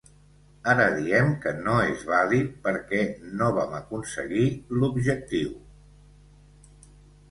Ara diem que no és vàlid perquè no vam aconseguir l’objectiu.